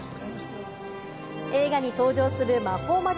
映画に登場する魔法魔術